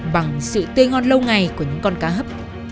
bằng sự tươi ngon lâu ngày của những con cá hấp